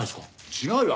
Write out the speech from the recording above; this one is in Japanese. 違うよ。